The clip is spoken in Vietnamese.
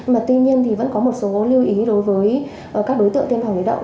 mà tuy nhiên thì vẫn có một số lưu ý đối với các đối tượng tiêm phòng thủy đậu